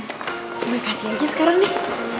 gua kasih lagi sekarang nih